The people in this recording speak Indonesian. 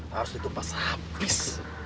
harus ditumpah sabis